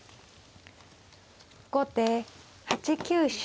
後手８九飛車